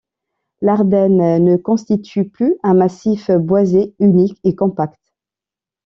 L’Ardenne ne constitue plus un massif boisé unique et compact.